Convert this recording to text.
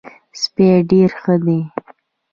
سپی ډېر ښه دی.